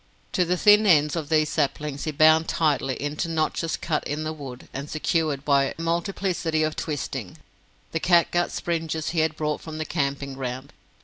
To the thin ends of these saplings he bound tightly, into notches cut in the wood, and secured by a multiplicity of twisting, the catgut springes he had brought from the camping ground.